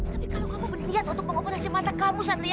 tapi kalau kamu berliat untuk mengoperasi mata kamu satria